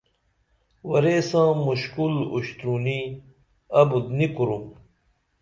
ورے ساں مُشکل اُشترونی ابُت نی کُروم